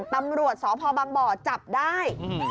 ตำรวจสพบังบ่อจับได้